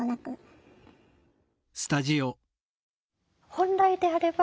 本来であれば